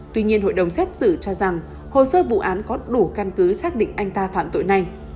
tuy nhiên hội đồng xét xử cho rằng hồ sơ vụ án có đủ căn cứ xác định anh ta phạm tội này